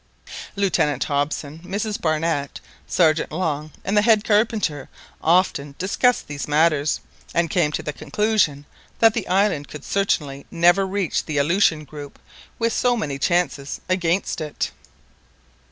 Lieutenant Hobson, Mrs Barnett, Sergeant Long, and the head carpenter often discussed these matters, and came to the conclusion that the island could certainly never reach the Aleutian group with so many chances against it.